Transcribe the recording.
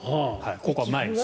ここは毎日です。